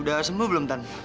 udah sembuh belum tan